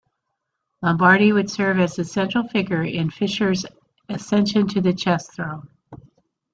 Lombardy would serve as a central figure in Fischer's ascension to the chess throne.